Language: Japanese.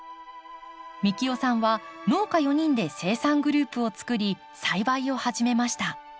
幹雄さんは農家４人で生産グループをつくり栽培を始めました。